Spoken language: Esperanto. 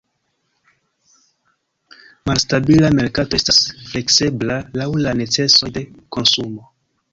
Malstabila merkato estas fleksebla, laŭ la necesoj de konsumo.